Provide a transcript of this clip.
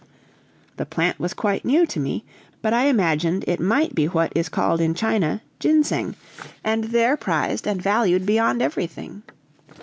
The plant was quite new to me, but I imagined it might be what is called in China "ginseng," and there prized and valued beyond everything.